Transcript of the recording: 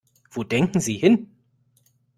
Wo denken Sie hin?